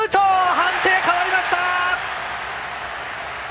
判定変わりました！